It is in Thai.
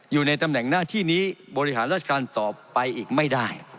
อยู่ในตำแหน่งหน้าที่นี้บริหารราชการต่อไปอีกไม่ได้